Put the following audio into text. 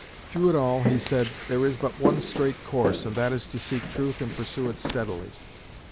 Through it all, he said, "There is but one straight course and that is to seek truth and pursue it steadily."